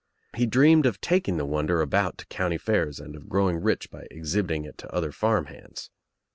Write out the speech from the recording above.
He dreamed of taking the wonder about to county fairs and of growing rich by exhibiting it to other farm hands.